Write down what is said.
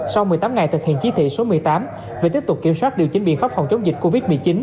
sau một mươi tám ngày thực hiện chí thị số một mươi tám về tiếp tục kiểm soát điều chính biện pháp phòng chống dịch covid một mươi chín